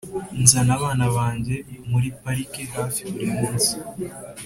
] nzana abana banjye muri parike hafi buri munsi